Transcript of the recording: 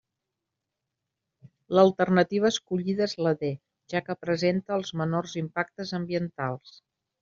L'alternativa escollida és la D, ja que presenta els menors impactes ambientals.